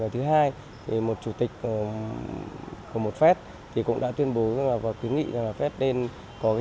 thứ hai một chủ tịch của một phép cũng đã tuyên bố và quyết nghị là phép nên có trình trình